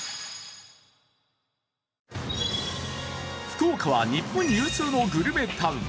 福岡は日本有数のグルメタウン。